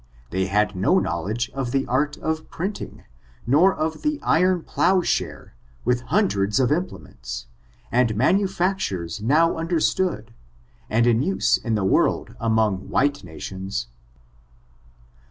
They had no knowledge of the art of printing, nor of the iron plow share, with hundreds of implements, and manufactures now understood, and in use in the world among white nations.